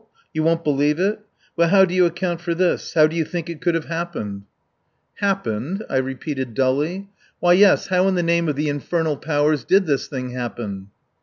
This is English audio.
You won't believe it? Well, how do you account for this? How do you think it could have happened?" "Happened?" I repeated dully. "Why, yes, how in the name of the infernal powers did this thing happen?"